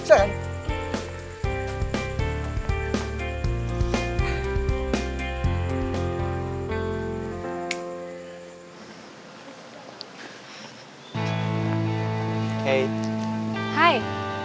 gue suka banget sama permainan lo tadi